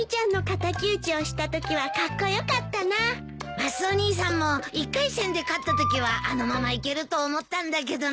マスオ兄さんも１回戦で勝ったときはあのままいけると思ったんだけどな。